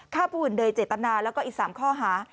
ฆ่าผู้อื่นโดยเจตนาแล้วก็อีก๓ข้อหา